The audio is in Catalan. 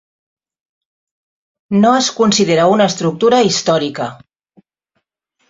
No es considera una estructura històrica.